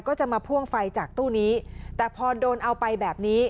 ก็จะมาพ่วงไฟจากตู้นี้แต่พอโดนเอาไปแบบนี้